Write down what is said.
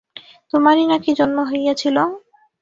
তোমারই নাকি জন্ম হইয়াছিল!